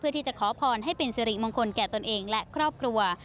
ที่จะขอพรให้เป็นสิริมงคลแก่ตนเองและครอบครัว